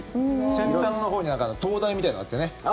先端のほうに灯台みたいなのがあってね。